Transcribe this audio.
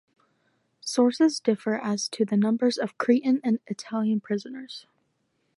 Sources differ as to the numbers of Cretan and Italian prisoners.